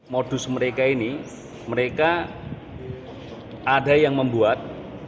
modus mereka ini mereka ada yang membuat